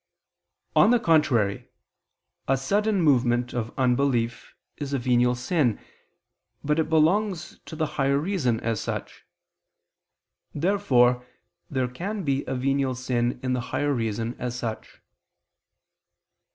On the contrary, A sudden movement of unbelief is a venial sin. But it belongs to the higher reason as such. Therefore there can be a venial sin in the higher reason as such.